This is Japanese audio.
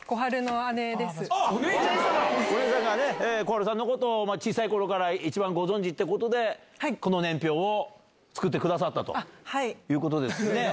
お姉さんが小春さんのことを小さい頃からご存じってことでこの年表を作ってくださったということです。